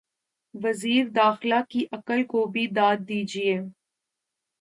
وزیر داخلہ کی عقل کو بھی داد دیجئے۔